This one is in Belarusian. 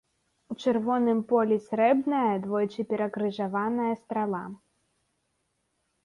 У чырвоным полі срэбная, двойчы перакрыжаваная страла.